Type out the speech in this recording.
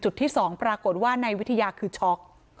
ที่๒ปรากฏว่านายวิทยาคือช็อก